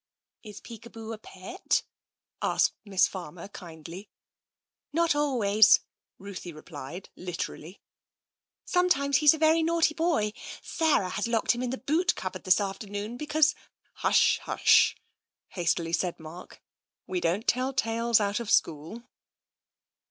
"Is Peekaboo a pet?'* asked Miss Farmer kindly. " Not always," Ruthie replied literally. " Some times he's a very naughty boy. Sarah has locked him up in the boot cupboard this afternoon, because "" Hush, hush," hastily said Mark, " we don't tell tales out of school."